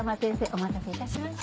お待たせいたしました。